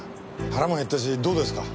腹も減ったしどうですか？